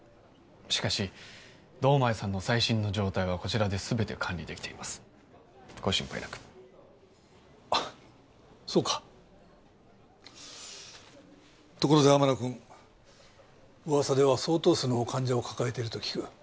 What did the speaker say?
しかし堂前さんの最新の状態はこちらで全て管理できていますご心配なくそうかところで天野くん噂では相当数の患者を抱えていると聞く